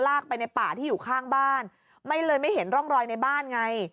ไปในป่าที่อยู่ข้างบ้านไม่เลยไม่เห็นร่องรอยในบ้านไง